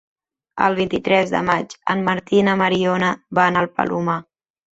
El vint-i-tres de maig en Martí i na Mariona van al Palomar.